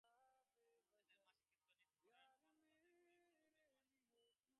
যাদের মা শিক্ষিতা ও নীতিপরায়ণা হন, তাঁদের ঘরেই বড় লোক জন্মায়।